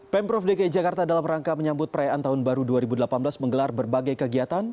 pemprov dki jakarta dalam rangka menyambut perayaan tahun baru dua ribu delapan belas menggelar berbagai kegiatan